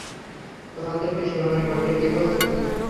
তোমাদেরকে সীমানার ব্যাপারে কী বলেছিলাম?